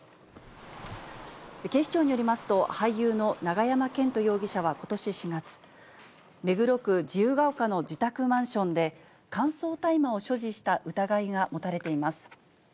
警視庁によりますと、俳優の永山絢斗容疑者はことし４月、目黒区自由が丘の自宅マンションで、乾燥大麻を所持した疑いが持たれています。